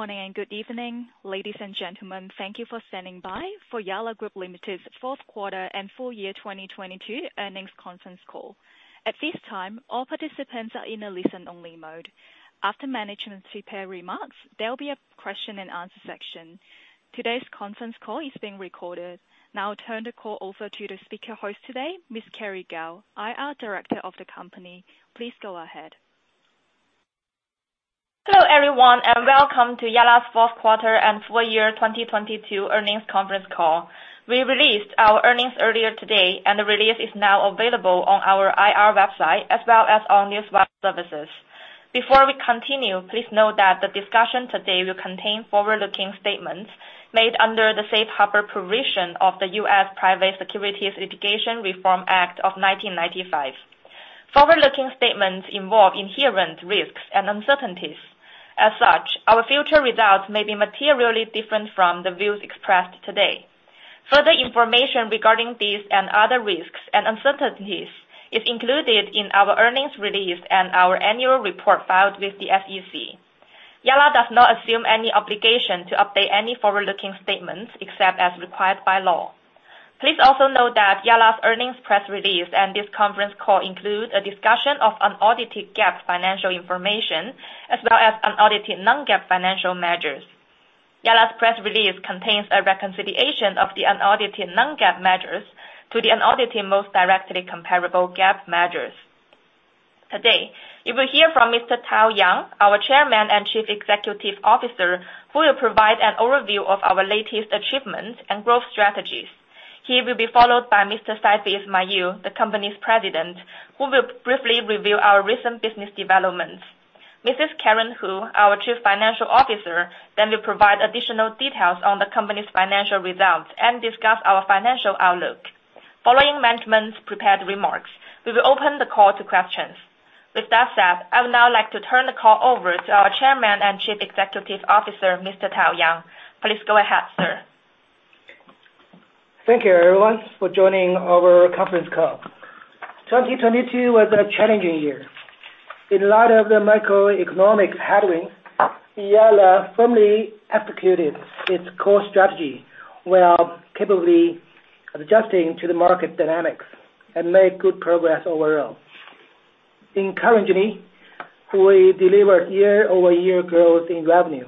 Good morning and good evening, ladies and gentlemen. Thank you for standing by for Yalla Group Limited's fourth quarter and full year 2022 earnings conference call. At this time, all participants are in a listen-only mode. After management's prepared remarks, there'll be a question and answer section. Today's conference call is being recorded. Now I turn the call over to the speaker host today, Miss Carrie Gao, IR Director of the company. Please go ahead. Hello, everyone, and welcome to Yalla's fourth quarter and full year 2022 earnings conference call. We released our earnings earlier today, and the release is now available on our IR website as well as on newswire services. Before we continue, please note that the discussion today will contain forward-looking statements made under the Safe Harbor provision of the U.S. Private Securities Litigation Reform Act of 1995. Forward-looking statements involve inherent risks and uncertainties. As such, our future results may be materially different from the views expressed today. Further information regarding these and other risks and uncertainties is included in our earnings release and our annual report filed with the SEC. Yalla does not assume any obligation to update any forward-looking statements except as required by law. Please also note that Yalla's earnings press release and this conference call include a discussion of unaudited GAAP financial information as well as unaudited non-GAAP financial measures. Yalla's press release contains a reconciliation of the unaudited non-GAAP measures to the unaudited most directly comparable GAAP measures. Today, you will hear from Mr. Tao Yang, our Chairman and Chief Executive Officer, who will provide an overview of our latest achievements and growth strategies. He will be followed by Mr. Saif Ismail, the company's President, who will briefly review our recent business developments. Mrs. Karen Hu, our Chief Financial Officer, then will provide additional details on the company's financial results and discuss our financial outlook. Following management's prepared remarks, we will open the call to questions. With that said, I would now like to turn the call over to our Chairman and Chief Executive Officer, Mr. Tao Yang. Please go ahead, sir. Thank you, everyone, for joining our conference call. 2022 was a challenging year. In light of the macroeconomic headwind, Yalla firmly executed its core strategy while capably adjusting to the market dynamics and made good progress overall. Encouragingly, we delivered year-over-year growth in revenue,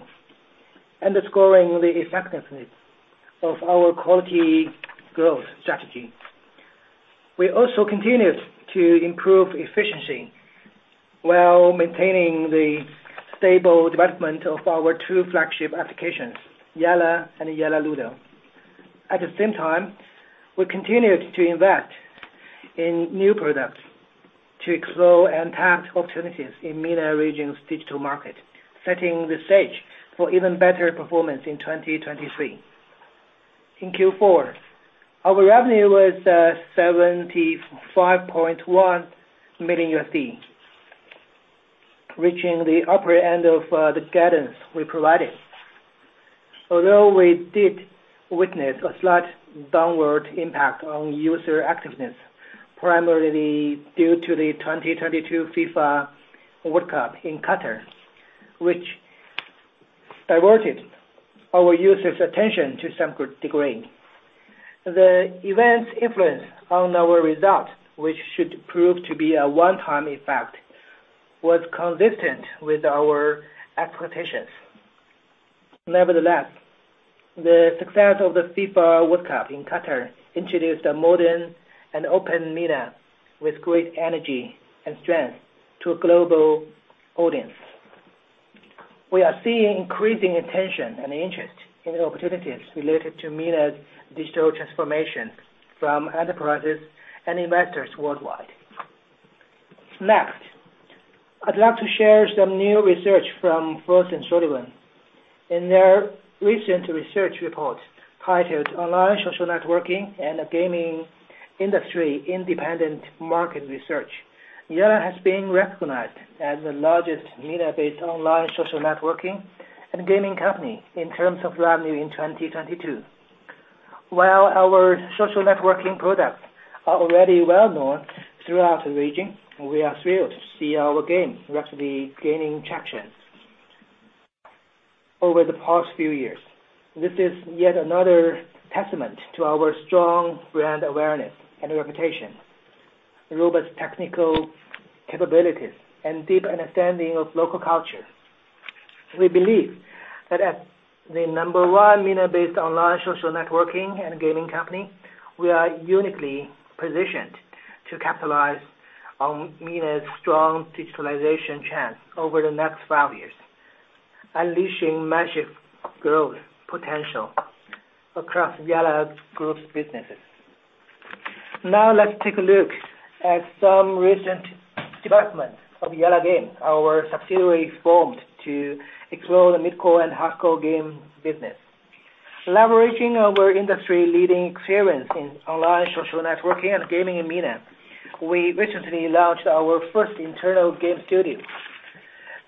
underscoring the effectiveness of our quality growth strategy. We also continued to improve efficiency while maintaining the stable development of our two flagship applications, Yalla and Yalla Ludo. We continued to invest in new products to explore untapped opportunities in MENA region's digital market, setting the stage for even better performance in 2023. In Q4, our revenue was $75.1 million, reaching the upper end of the guidance we provided. Although we did witness a slight downward impact on user activeness, primarily due to the 2022 FIFA World Cup in Qatar, which diverted our users' attention to some degree. The event's influence on our results, which should prove to be a one-time effect, was consistent with our expectations. Nevertheless, the success of the FIFA World Cup in Qatar introduced a modern and open MENA with great energy and strength to a global audience. We are seeing increasing attention and interest in the opportunities related to MENA's digital transformation from enterprises and investors worldwide. Next, I'd like to share some new research from Frost & Sullivan. In their recent research report titled Online Social Networking and Gaming Industry Independent Market Research, Yalla has been recognized as the largest MENA-based online social networking and gaming company in terms of revenue in 2022. While our social networking products are already well-known throughout the region, we are thrilled to see our games rapidly gaining traction over the past few years. This is yet another testament to our strong brand awareness and reputation, robust technical capabilities, and deep understanding of local culture. We believe that as the number one MENA-based online social networking and gaming company, we are uniquely positioned to capitalize on MENA's strong digitalization chance over the next 5 years, unleashing massive growth potential across Yalla Group's businesses. Now let's take a look at some recent developments of Yalla Game, our subsidiary formed to explore the mid-core and hardcore game business. Leveraging our industry-leading experience in online social networking and gaming in MENA, we recently launched our first internal game studio,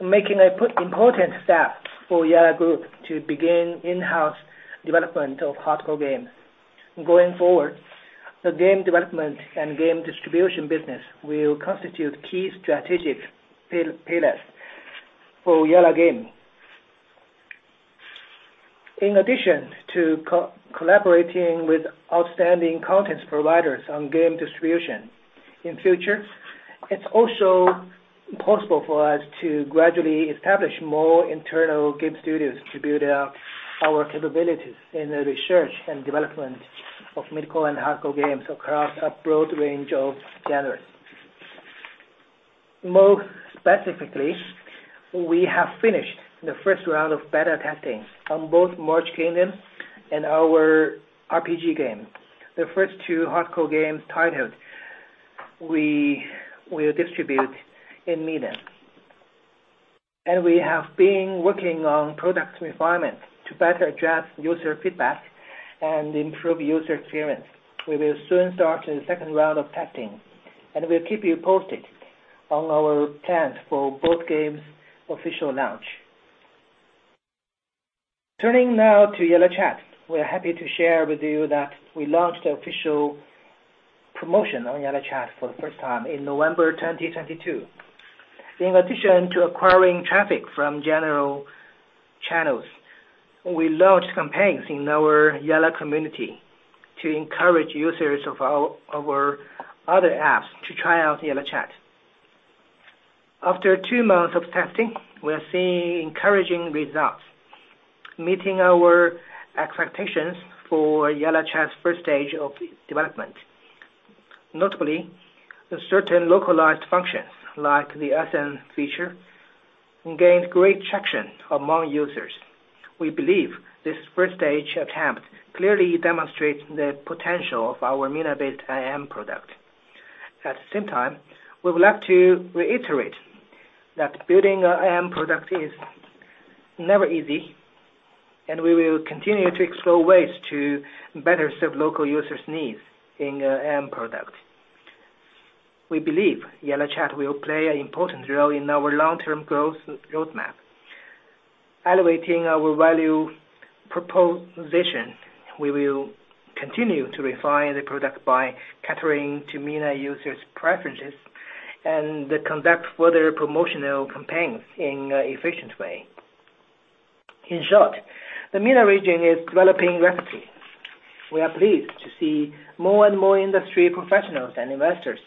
making an important step for Yalla Group to begin in-house development of hardcore games. Going forward. The game development and game distribution business will constitute key strategic pillars for Yalla Game. In addition to collaborating with outstanding content providers on game distribution, in future, it's also possible for us to gradually establish more internal game studios to build up our capabilities in the research and development of mid-core and hardcore games across a broad range of genres. More specifically, we have finished the first round of beta testing on both Merge Kingdom and our RPG game, the first two hardcore games titled we will distribute in MENA. We have been working on product refinement to better address user feedback and improve user experience. We will soon start the second round of testing, and we'll keep you posted on our plans for both games' official launch. Turning now to YallaChat. We are happy to share with you that we launched the official promotion on YallaChat for the first time in November 2022. In addition to acquiring traffic from general channels, we launched campaigns in our Yalla community to encourage users of our other apps to try out YallaChat. After two months of testing, we are seeing encouraging results, meeting our expectations for YallaChat's first stage of development. Notably, certain localized functions, like the SM feature, gained great traction among users. We believe this first-stage attempt clearly demonstrates the potential of our MENA-based IM product. At the same time, we would like to reiterate that building an IM product is never easy, and we will continue to explore ways to better serve local users' needs in IM product. We believe YallaChat will play an important role in our long-term growth roadmap. Elevating our value proposition, we will continue to refine the product by catering to MENA users' preferences and conduct further promotional campaigns in an efficient way. In short, the MENA region is developing rapidly. We are pleased to see more and more industry professionals and investors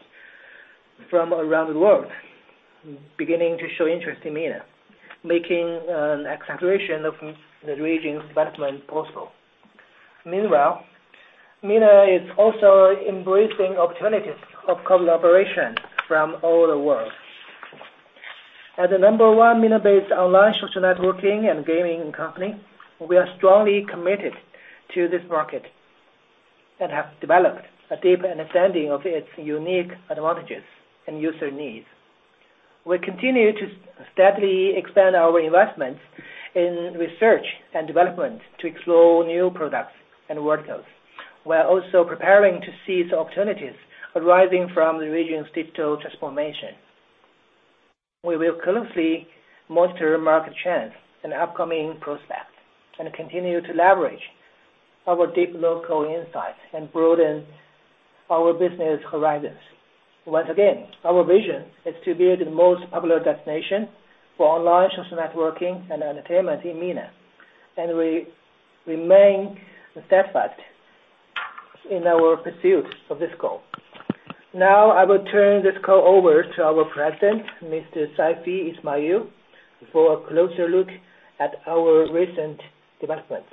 from around the world beginning to show interest in MENA, making an acceleration of the region's development possible. Meanwhile, MENA is also embracing opportunities of collaboration from all the world. As the number-one MENA-based online social networking and gaming company, we are strongly committed to this market and have developed a deep understanding of its unique advantages and user needs. We continue to steadily expand our investments in research and development to explore new products and verticals, while also preparing to seize opportunities arising from the region's digital transformation. We will closely monitor market trends and upcoming prospects, and continue to leverage our deep local insights and broaden our business horizons. Once again, our vision is to be the most popular destination for online social networking and entertainment in MENA, and we remain steadfast in our pursuit of this goal. Now, I will turn this call over to our President, Mr. Saifi Ismail, for a closer look at our recent developments.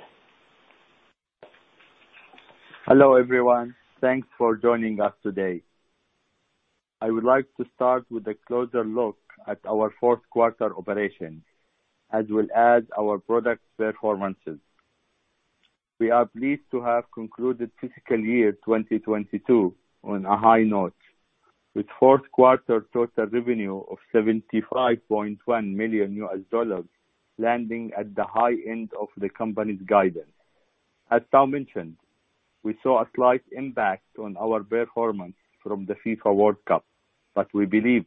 Hello, everyone. Thanks for joining us today. I would like to start with a closer look at our fourth quarter operations, as well as our product performances. We are pleased to have concluded fiscal year 2022 on a high note, with fourth quarter total revenue of $75.1 million, landing at the high end of the company's guidance. As Tom mentioned, we saw a slight impact on our performance from the FIFA World Cup. We believe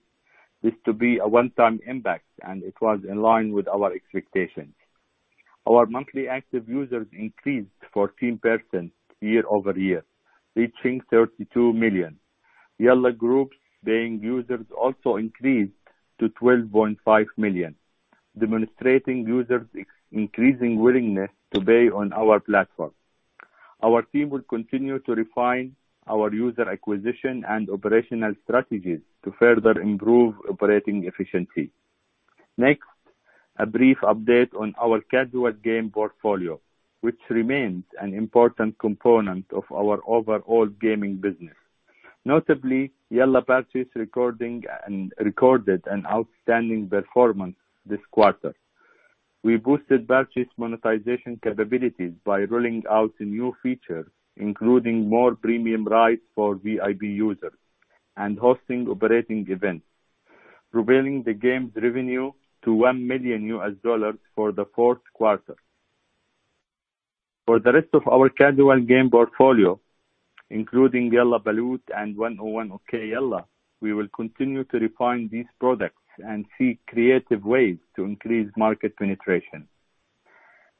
this to be a one-time impact, and it was in line with our expectations. Our monthly active users increased 14% year-over-year, reaching 32 million. Yalla Group's paying users also increased to 12.5 million, demonstrating users' increasing willingness to pay on our platform. Our team will continue to refine our user acquisition and operational strategies to further improve operating efficiency. Next, a brief update on our casual game portfolio, which remains an important component of our overall gaming business. Notably, Yalla Baloot recorded an outstanding performance this quarter. We boosted Baloot's monetization capabilities by rolling out new features, including more premium rides for VIP users and hosting operating events, revealing the game's revenue to $1 million for the fourth quarter. For the rest of our casual game portfolio, including Yalla Baloot and 101 Okey Yalla, we will continue to refine these products and seek creative ways to increase market penetration.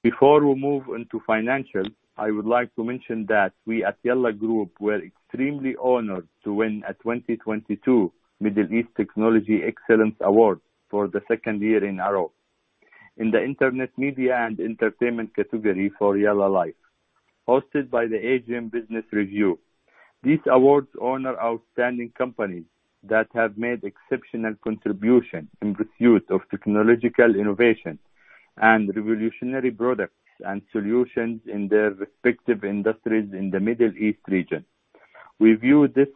Before we move into financials, I would like to mention that we at Yalla Group were extremely honored to win a 2022 Middle East Technology Excellence Award for the second year in a row in the Internet-Media & Entertainment category for Yalla Life, hosted by the Asian Business Review. These awards honor outstanding companies that have made exceptional contribution in pursuit of technological innovation and revolutionary products and solutions in their respective industries in the Middle East region. We view this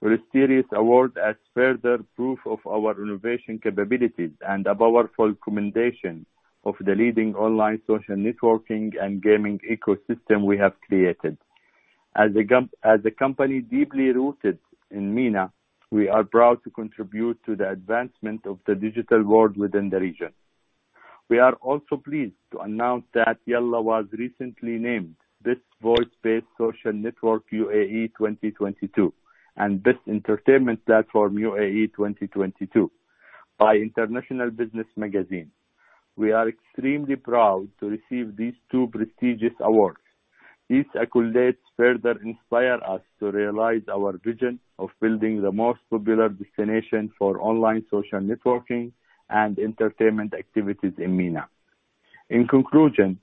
prestigious award as further proof of our innovation capabilities and a powerful commendation of the leading online social networking and gaming ecosystem we have created. As a company deeply rooted in MENA, we are proud to contribute to the advancement of the digital world within the region. We are also pleased to announce that Yalla was recently named Best Voice-based Social Network UAE 2022, and Best Entertainment Platform UAE 2022 by International Business Magazine. We are extremely proud to receive these two prestigious awards. These accolades further inspire us to realize our vision of building the most popular destination for online social networking and entertainment activities in MENA. In conclusion,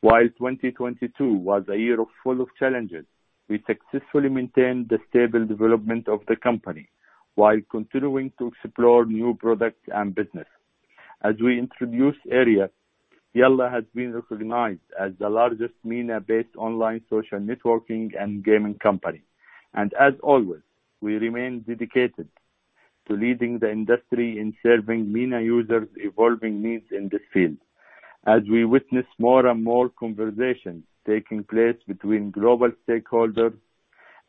while 2022 was a year full of challenges, we successfully maintained the stable development of the company while continuing to explore new products and business. As we introduce area, Yalla has been recognized as the largest MENA-based online social networking and gaming company. As always, we remain dedicated to leading the industry in serving MENA users evolving needs in this field. As we witness more and more conversations taking place between global stakeholders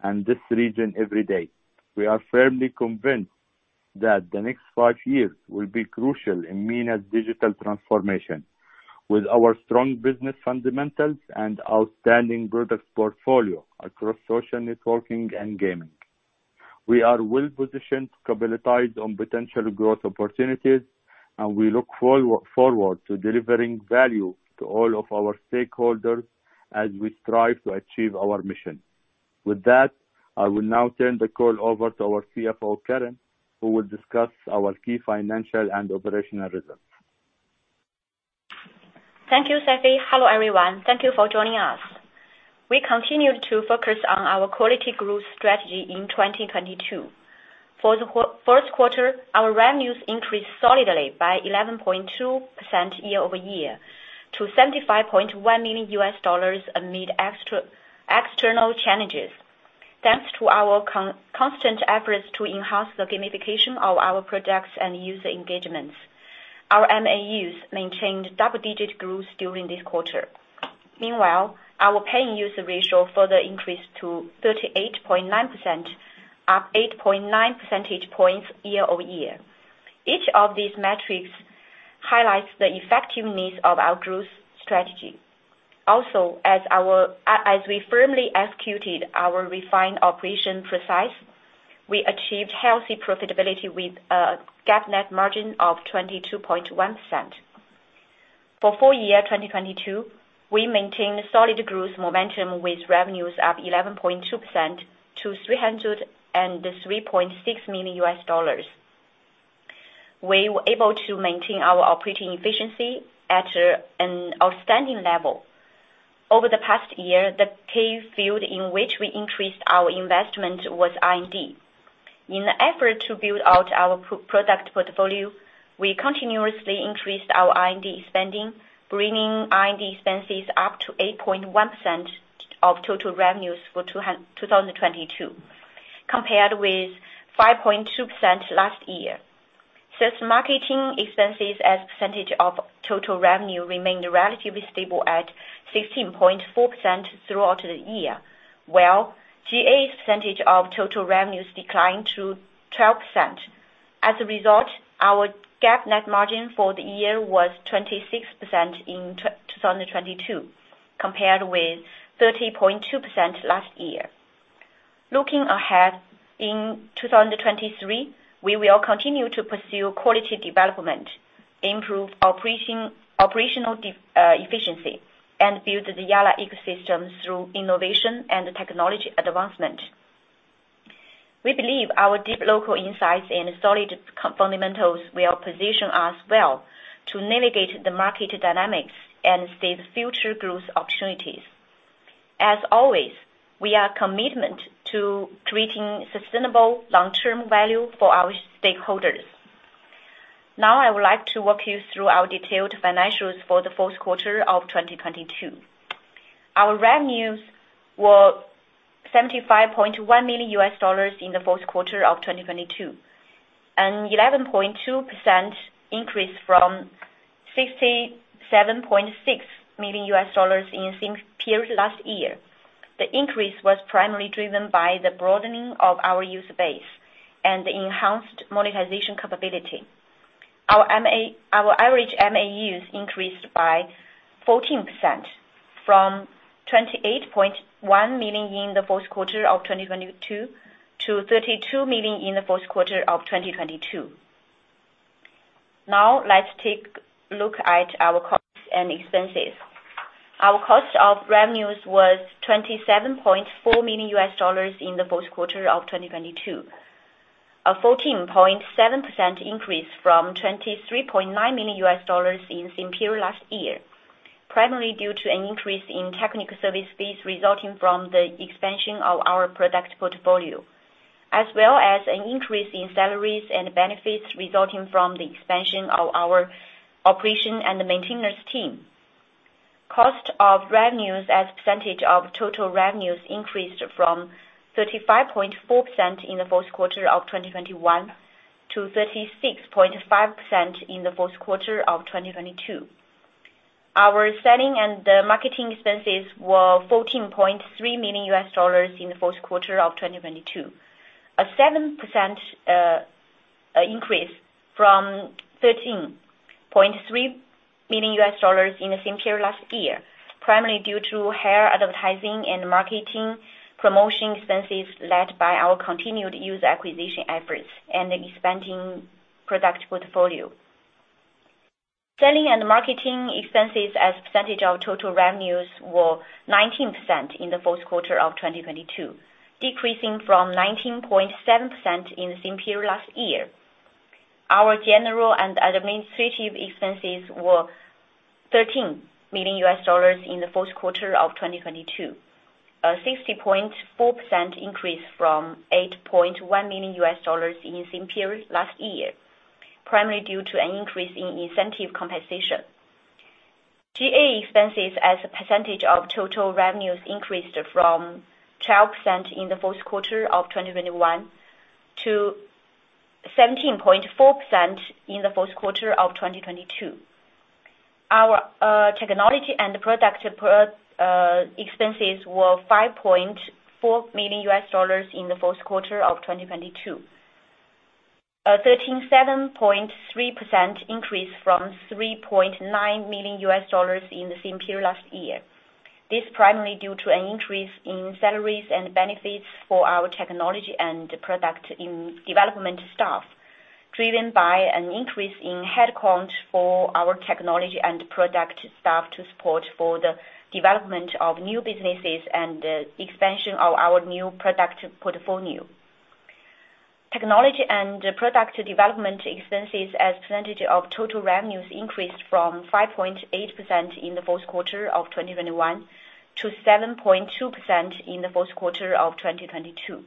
and this region every day, we are firmly convinced that the next five years will be crucial in MENA's digital transformation. With our strong business fundamentals and outstanding product portfolio across social networking and gaming, we are well-positioned to capitalize on potential growth opportunities, and we look forward to delivering value to all of our stakeholders as we strive to achieve our mission. With that, I will now turn the call over to our CFO, Karen, who will discuss our key financial and operational results. Thank you, Saifi. Hello, everyone. Thank you for joining us. We continued to focus on our quality growth strategy in 2022. For the first quarter, our revenues increased solidly by 11.2% year-over-year to $75.1 million amid external challenges. Thanks to our constant efforts to enhance the gamification of our products and user engagements, our MAUs maintained double-digit growth during this quarter. Meanwhile, our paying user ratio further increased to 38.9%, up 8.9 percentage points year-over-year. Each of these metrics highlights the effectiveness of our growth strategy. Also, as we firmly executed our refined operation precise, we achieved healthy profitability with a GAAP net margin of 22.1%. For full year 2022, we maintained solid growth momentum with revenues up 11.2% to $303.6 million. We were able to maintain our operating efficiency at an outstanding level. Over the past year, the key field in which we increased our investment was R&D. In the effort to build out our product portfolio, we continuously increased our R&D spending, bringing R&D expenses up to 8.1% of total revenues for 2022, compared with 5.2% last year. Sales marketing expenses as percentage of total revenue remained relatively stable at 16.4% throughout the year, while GA percentage of total revenues declined to 12%. Our GAAP net margin for the year was 26% in 2022, compared with 30.2% last year. Looking ahead, in 2023, we will continue to pursue quality development, improve operational efficiency, and build the Yalla ecosystem through innovation and technology advancement. We believe our deep local insights and solid fundamentals will position us well to navigate the market dynamics and seize future growth opportunities. As always, we are commitment to creating sustainable long-term value for our stakeholders. I would like to walk you through our detailed financials for the fourth quarter of 2022. Our revenues were $75.1 million in the fourth quarter of 2022, an 11.2% increase from $67.6 million in same period last year. The increase was primarily driven by the broadening of our user base and enhanced monetization capability. Our average MAUs increased by 14% from 28.1 million in the fourth quarter of 2022 to 32 million in the fourth quarter of 2022. Now let's take a look at our costs and expenses. Our cost of revenues was $27.4 million in the fourth quarter of 2022, a 14.7% increase from $23.9 million in same period last year, primarily due to an increase in technical service fees resulting from the expansion of our product portfolio, as well as an increase in salaries and benefits resulting from the expansion of our operation and maintenance team. Cost of revenues as a percentage of total revenues increased from 35.4% in the fourth quarter of 2021 to 36.5% in the fourth quarter of 2022. Our selling and marketing expenses were $14.3 million in the fourth quarter of 2022, a 7% increase from $13.3 million in the same period last year, primarily due to higher advertising and marketing promotion expenses led by our continued user acquisition efforts and expanding product portfolio. Selling and marketing expenses as a percentage of total revenues were 19% in the fourth quarter of 2022, decreasing from 19.7% in the same period last year. Our general and administrative expenses were $13 million in the fourth quarter of 2022, a 60.4% increase from $8.1 million in the same period last year, primarily due to an increase in incentive compensation. GA expenses as a percentage of total revenues increased from 12% in the fourth quarter of 2021 to 17.4% in the fourth quarter of 2022. Our technology and product expenses were $5.4 million in the fourth quarter of 2022, a 37.3% increase from $3.9 million in the same period last year. Primarily due to an increase in salaries and benefits for our technology and product in development staff, driven by an increase in headcount for our technology and product staff to support for the development of new businesses and the expansion of our new product portfolio. Technology and product development expenses as a % of total revenues increased from 5.8% in the fourth quarter of 2021 to 7.2% in the fourth quarter of 2022.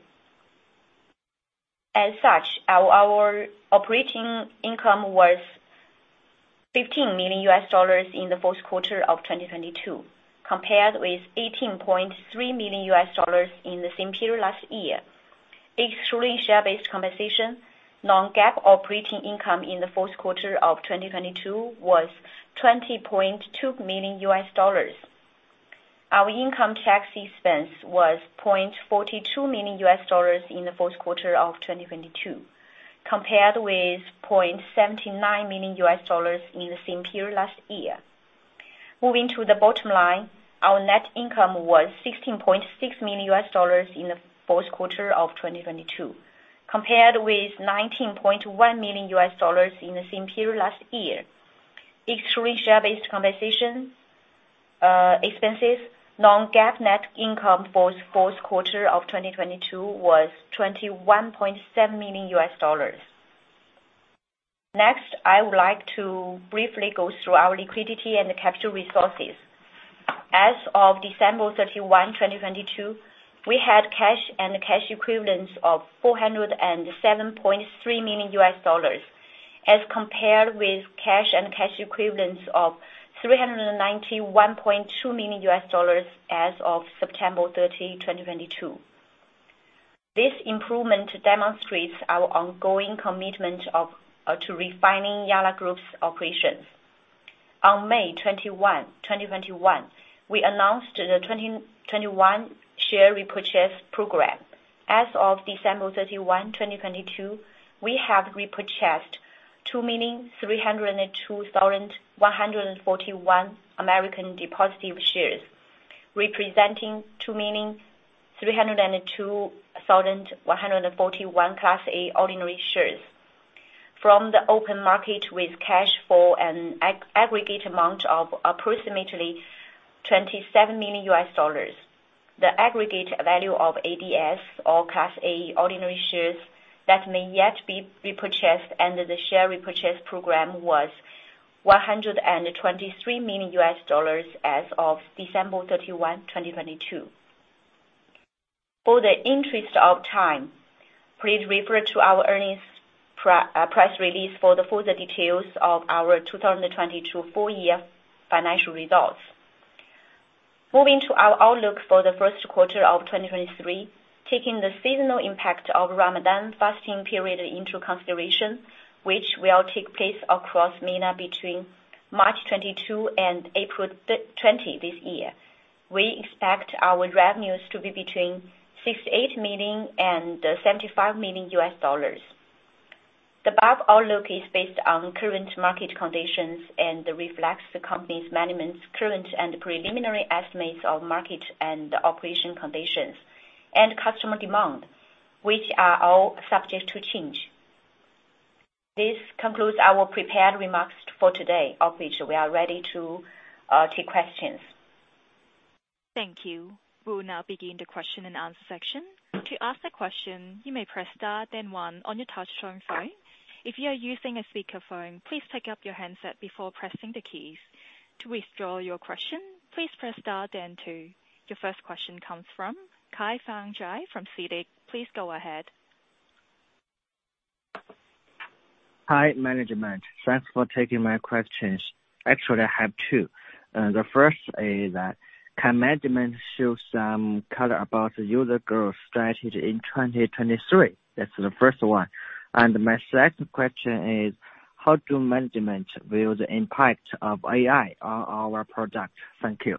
Our operating income was $15 million in the fourth quarter of 2022, compared with $18.3 million in the same period last year. Excluding share-based compensation, non-GAAP operating income in the fourth quarter of 2022 was $20.2 million. Our income tax expense was $0.42 million in the fourth quarter of 2022, compared with $0.79 million in the same period last year. Moving to the bottom line, our net income was $16.6 million in the fourth quarter of 2022, compared with $19.1 million in the same period last year. Excluding share-based compensation expenses, non-GAAP net income for the fourth quarter of 2022 was $21.7 million. I would like to briefly go through our liquidity and capital resources. As of December 31, 2022, we had cash and cash equivalents of $407.3 million as compared with cash and cash equivalents of $391.2 million as of September 30, 2022. This improvement demonstrates our ongoing commitment of to refining Yalla Group's operations. On May 21, 2021, we announced the 2021 share repurchase program. As of December 31, 2022, we have repurchased 2,302,141 American depositary shares, representing 2,302,141 Class A ordinary shares from the open market with cash for an aggregate amount of approximately $27 million. The aggregate value of ADS or Class A ordinary shares that may yet be repurchased under the share repurchase program was $123 million as of December 31, 2022. For the interest of time, please refer to our earnings press release for the further details of our 2022 full year financial results. Moving to our outlook for the first quarter of 2023. Taking the seasonal impact of Ramadan fasting period into consideration, which will take place across MENA between March 22 and April 20 this year, we expect our revenues to be between $68 million and $75 million. The above outlook is based on current market conditions and reflects the company's management's current and preliminary estimates of market and operation conditions and customer demand, which are all subject to change. This concludes our prepared remarks for today. After which we are ready to take questions. Thank you. We will now begin the question and answer section. To ask a question, you may press star then 1 on your touch-tone phone. If you are using a speakerphone, please take up your handset before pressing the keys. To withdraw your question, please press star then 2. Your first question comes from Kaifeng Zhai from CITIC. Please go ahead. Hi, management. Thanks for taking my questions. Actually, I have two. The first is that can management show some color about user growth strategy in 2023? That's the first one. My second question is how do management view the impact of AI on our product? Thank you.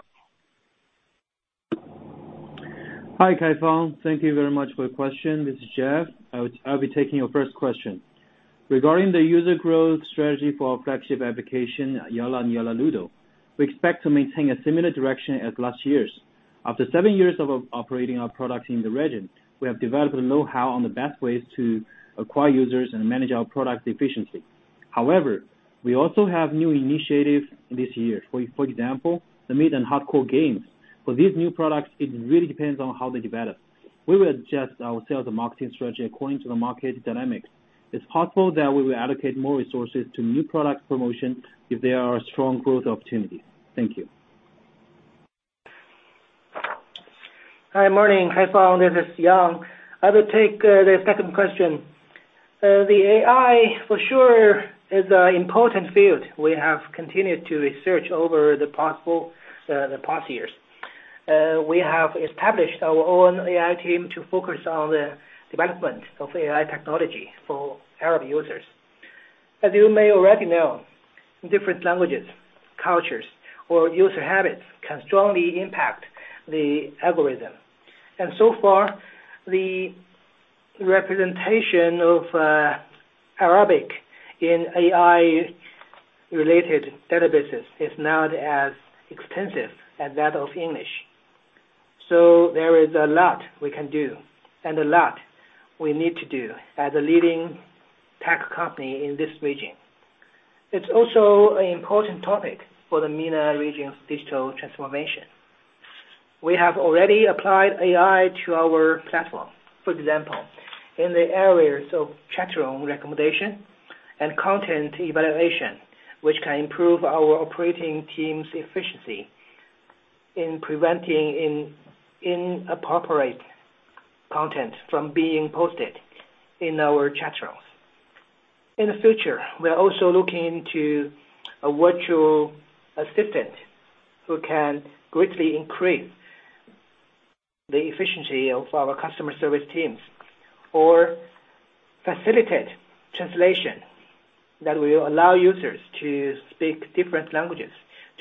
Hi, Kaifang. Thank you very much for your question. This is Jeff. I'll be taking your first question. Regarding the user growth strategy for our flagship application, Yalla and Yalla Ludo, we expect to maintain a similar direction as last year's. After seven years of operating our products in the region, we have developed a know-how on the best ways to acquire users and manage our product efficiently. However, we also have new initiatives this year, for example, the mid and hardcore games. For these new products, it really depends on how they develop. We will adjust our sales and marketing strategy according to the market dynamics. It's possible that we will allocate more resources to new product promotion if there are strong growth opportunities. Thank you. Hi. Morning, Kaifeng, this is Yang. I will take the second question. The AI for sure is an important field we have continued to research over the past years. We have established our own AI team to focus on the development of AI technology for Arab users. As you may already know, different languages, cultures, or user habits can strongly impact the algorithm. So far, the representation of Arabic in AI-related databases is not as extensive as that of English. There is a lot we can do and a lot we need to do as a leading tech company in this region. It's also an important topic for the MENA region's digital transformation. We have already applied AI to our platform, for example, in the areas of chat room recommendation and content evaluation, which can improve our operating team's efficiency in preventing inappropriate content from being posted in our chat rooms. In the future, we are also looking into a virtual assistant who can greatly increase the efficiency of our customer service teams, or facilitate translation that will allow users to speak different languages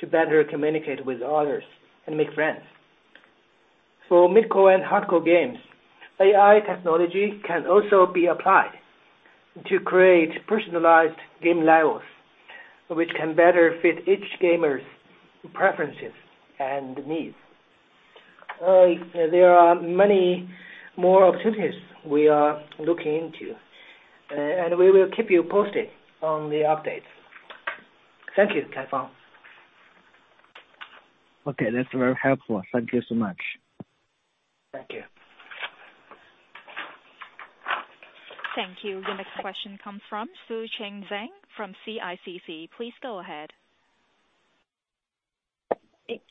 to better communicate with others and make friends. For mid-core and hardcore games, AI technology can also be applied to create personalized game levels which can better fit each gamer's preferences and needs. There are many more opportunities we are looking into, and we will keep you posted on the updates. Thank you, Kaifang. Okay, that's very helpful. Thank you so much. Thank you. Thank you. The next question comes from Xueqing Zhang from CICC. Please go ahead.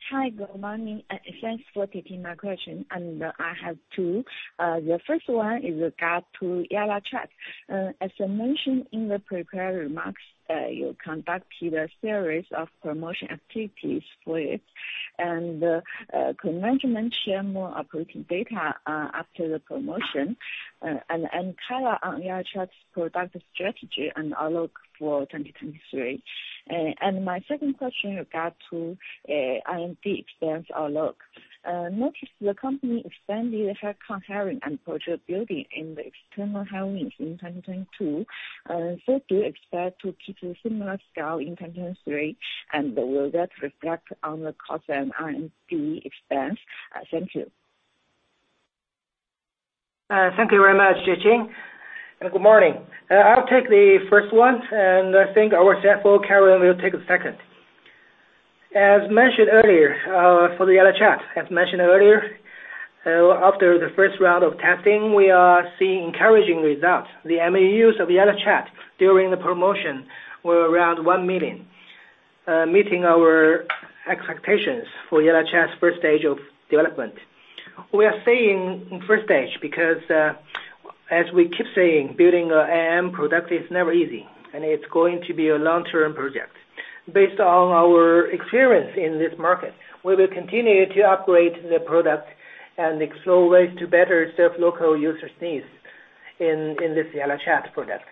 Hi. Good morning. Thanks for taking my question, and I have two. The first one is regard to YallaChat. As I mentioned in the prepared remarks, you conducted a series of promotion activities for it. Could management share more operating data after the promotion, and color on YallaChat's product strategy and outlook for 2023? My second question regard to R&D expense outlook. Notice the company expanded content sharing and virtual building in the external happenings in 2022. Do you expect to keep a similar scale in 2023, and will that reflect on the cost and R&D expense? Thank you. Thank you very much, Xu Qing, and good morning. I'll take the first one, and I think our CFO, Carolyn, will take the second. As mentioned earlier, for the Yalla Chat, as mentioned earlier, after the first round of testing, we are seeing encouraging results. The MAUs of Yalla Chat during the promotion were around 1 million, meeting our expectations for Yalla Chat's first stage of development. We are saying first stage because, as we keep saying, building an IM product is never easy, and it's going to be a long-term project. Based on our experience in this market, we will continue to upgrade the product and explore ways to better serve local users' needs in this Yalla Chat product.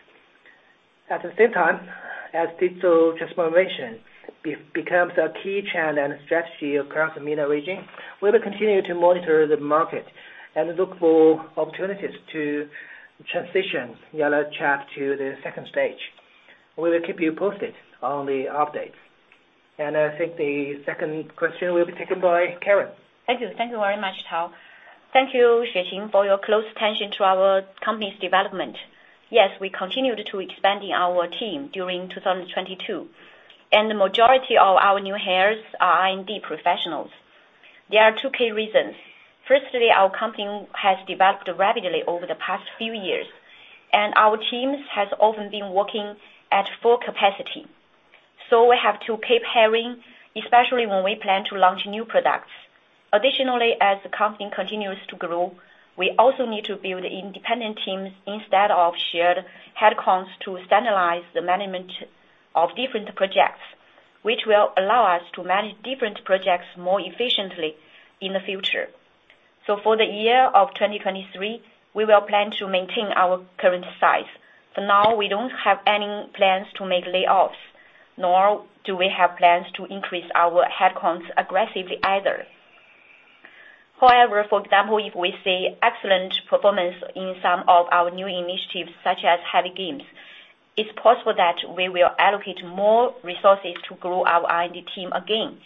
At the same time, as digital transformation becomes a key channel and strategy across the MENA region, we will continue to monitor the market and look for opportunities to transition YallaChat to the second stage. We will keep you posted on the updates. I think the second question will be taken by Karen. Thank you. Thank you very much, Tao. Thank you, Xueqing, for your close attention to our company's development. Yes, we continued to expanding our team during 2022, and the majority of our new hires are R&D professionals. There are 2 key reasons. Firstly, our company has developed rapidly over the past few years, and our teams has often been working at full capacity. We have to keep hiring, especially when we plan to launch new products. Additionally, as the company continues to grow, we also need to build independent teams instead of shared headcounts to standardize the management of different projects, which will allow us to manage different projects more efficiently in the future. For the year of 2023, we will plan to maintain our current size. For now, we don't have any plans to make layoffs, nor do we have plans to increase our headcounts aggressively either. However, for example, if we see excellent performance in some of our new initiatives, such as heavy games, it's possible that we will allocate more resources to grow our R&D team again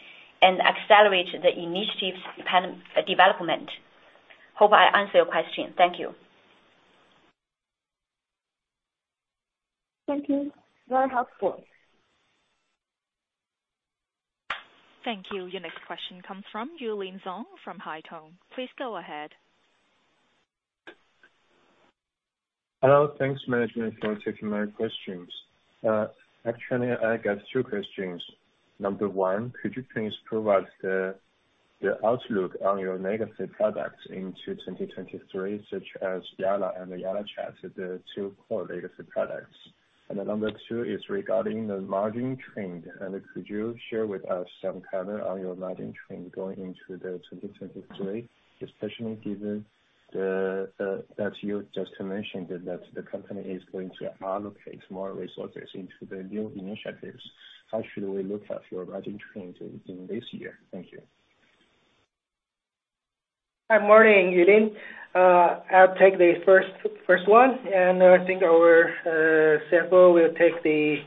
and accelerate the initiatives development. Hope I answered your question. Thank you. Thank you. Very helpful. Thank you. Your next question comes from ng Yulin Zhong from Haito. Please go ahead. Hello. Thanks, management, for taking my questions. Actually, I got two questions. Number 1, could you please provide the outlook on your legacy products into 2023, such as Yalla and Yalla Chat, the two core legacy products? Number 2 is regarding the margin trend. Could you share with us some color on your margin trend going into 2023, especially given that you just mentioned that the company is going to allocate more resources into the new initiatives. How should we look at your margin trends in this year? Thank you. Good morning, Yulin. I'll take the first one, and I think our CFO will take the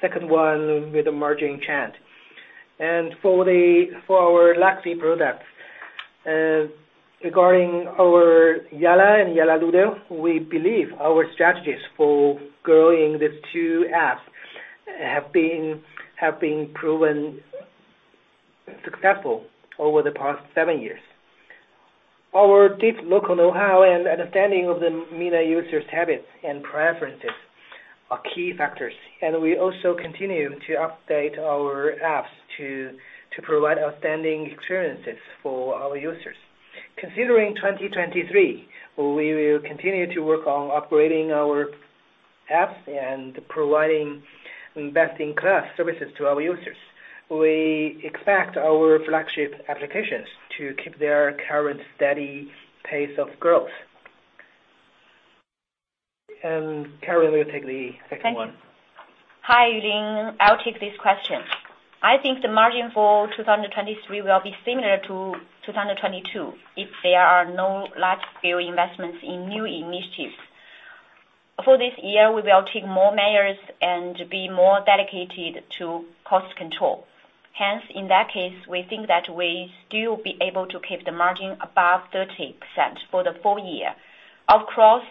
second one with the margin trend. For our legacy products, regarding our Yalla and Yalla Ludo, we believe our strategies for growing these 2 apps have been proven successful over the past 7 years. Our deep local know-how and understanding of the MENA users' habits and preferences are key factors. We also continue to update our apps to provide outstanding experiences for our users. Considering 2023, we will continue to work on upgrading our apps and providing best-in-class services to our users. We expect our flagship applications to keep their current steady pace of growth. Karen will take the second one. Thank you. Hi, Yulin. I'll take this question. I think the margin for 2023 will be similar to 2022 if there are no large scale investments in new initiatives. For this year, we will take more measures and be more dedicated to cost control. In that case, we think that we still be able to keep the margin above 30% for the full year. Of course,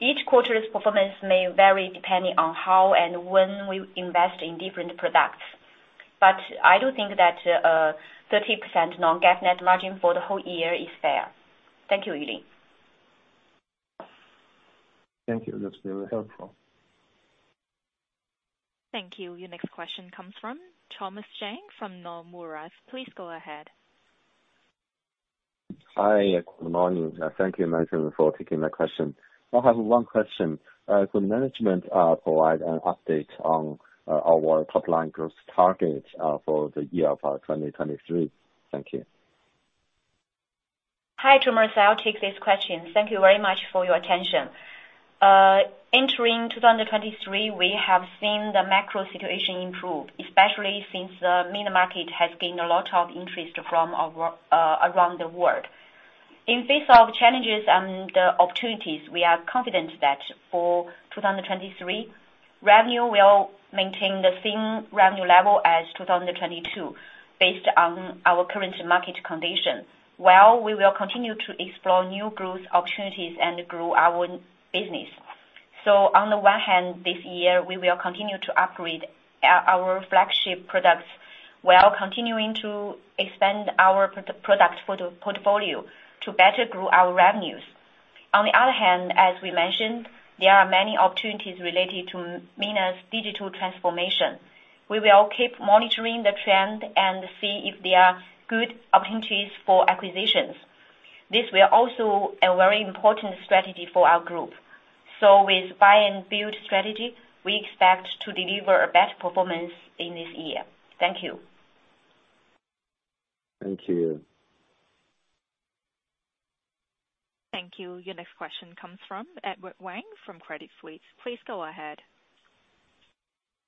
each quarter's performance may vary depending on how and when we invest in different products. I do think that 30% non-GAAP net margin for the whole year is fair. Thank you, Yulin. Thank you. That's very helpful. Thank you. Your next question comes from Thomas Chong from Nomura. Please go ahead. Hi. Good morning. Thank you, management, for taking my question. I have one question. Could management provide an update on our top line growth target for the year of 2023? Thank you. Hi, Thomas. I'll take this question. Thank you very much for your attention. entering 2023, we have seen the macro situation improve, especially since the MENA market has gained a lot of interest around the world. In face of challenges and opportunities, we are confident that for 2023, revenue will maintain the same revenue level as 2022 based on our current market condition, while we will continue to explore new growth opportunities and grow our business. On the one hand, this year we will continue to upgrade our flagship products while continuing to expand our product portfolio to better grow our revenues. On the other hand, as we mentioned, there are many opportunities related to MENA's digital transformation. We will keep monitoring the trend and see if there are good opportunities for acquisitions. This will also a very important strategy for our Group. With buy and build strategy, we expect to deliver a better performance in this year. Thank you. Thank you. Thank you. Your next question comes from Edward Wang from Credit Suisse. Please go ahead.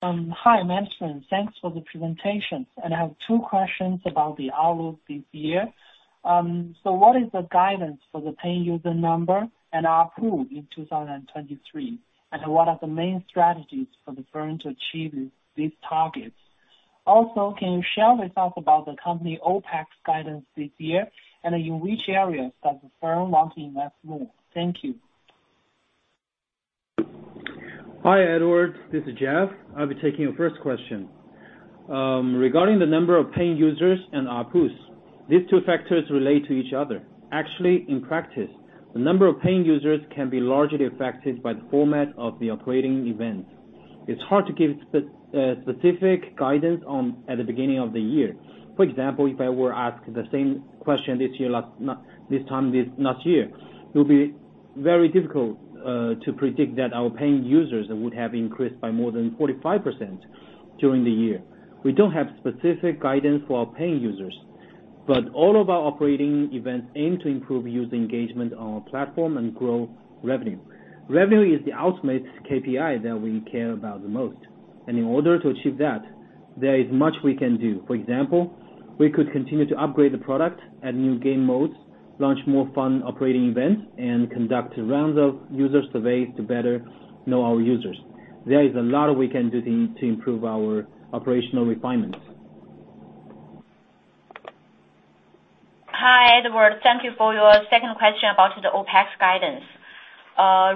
Hi, management. Thanks for the presentation. I have two questions about the outlook this year. What is the guidance for the paying user number and ARPU in 2023? What are the main strategies for the firm to achieve these targets? Can you share with us about the company Opex guidance this year, and in which areas does the firm want to invest more? Thank you. Hi, Edward, this is Jeff. I'll be taking your first question. Regarding the number of paying users and ARPUs, these two factors relate to each other. Actually, in practice, the number of paying users can be largely affected by the format of the operating events. It's hard to give specific guidance on at the beginning of the year. For example, if I were asked the same question this year last, this time this last year, it would be very difficult to predict that our paying users would have increased by more than 45% during the year. We don't have specific guidance for our paying users, but all of our operating events aim to improve user engagement on our platform and grow revenue. Revenue is the ultimate KPI that we care about the most, and in order to achieve that, there is much we can do. For example, we could continue to upgrade the product, add new game modes, launch more fun operating events, and conduct rounds of user surveys to better know our users. There is a lot we can do to improve our operational refinements. Hi, Edward. Thank you for your second question about the Opex guidance.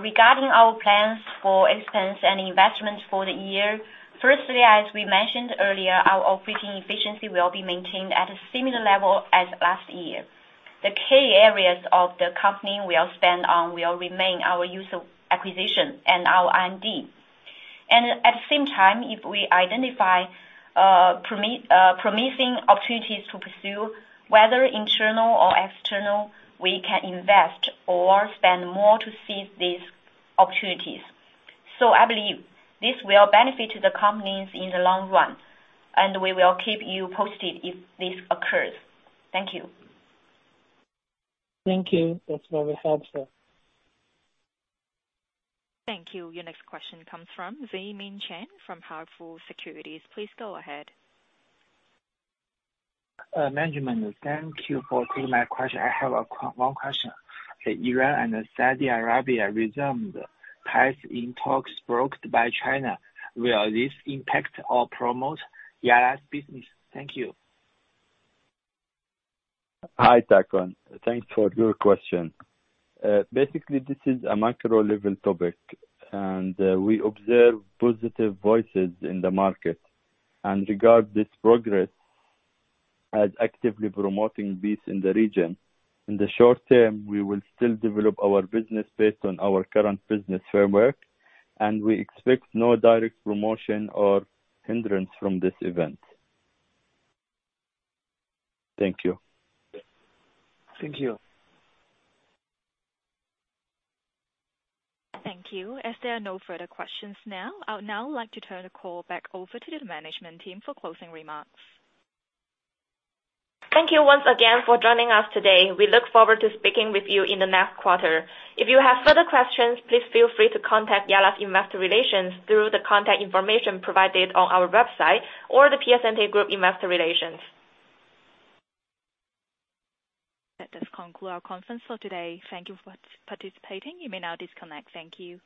Regarding our plans for expense and investments for the year. Firstly, as we mentioned earlier, our operating efficiency will be maintained at a similar level as last year. The key areas of the company we'll spend on will remain our user acquisition and our R&D. At the same time, if we identify promising opportunities to pursue, whether internal or external, we can invest or spend more to seize these opportunities. I believe this will benefit the companies in the long run, and we will keep you posted if this occurs. Thank you. Thank you. That's very helpful. Thank you. Your next question comes from Zemin Chen from Huafu Securities. Please go ahead. Management, thank you for taking my question. I have a one question. Iran and Saudi Arabia resumed peace in talks brokered by China. Will this impact or promote Yalla's business? Thank you. Hi, Zhi Ming. Thanks for your question. Basically, this is a macro-level topic, and we observe positive voices in the market and regard this progress as actively promoting peace in the region. In the short term, we will still develop our business based on our current business framework, and we expect no direct promotion or hindrance from this event. Thank you. Thank you. Thank you. As there are no further questions now, I would now like to turn the call back over to the management team for closing remarks. Thank you once again for joining us today. We look forward to speaking with you in the next quarter. If you have further questions, please feel free to contact Yalla's investor relations through the contact information provided on our website or The Piacente Group investor relations. That does conclude our conference for today. Thank you for participating. You may now disconnect. Thank you.